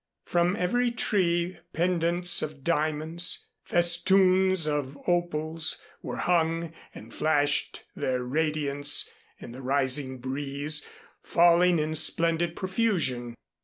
From every tree pendants of diamonds, festoons of opals were hung and flashed their radiance in the rising breeze, falling in splendid profusion.